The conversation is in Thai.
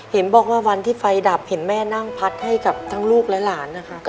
เห็นบอกว่าวันที่ไฟดับเห็นแม่นั่งพัดให้กับทั้งลูกและหลานนะคะ